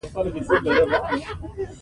د هېواد مرکز د افغانانو ژوند اغېزمن کوي.